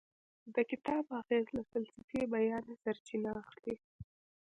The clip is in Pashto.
د کتاب اغیز له فلسفي بیانه سرچینه اخلي.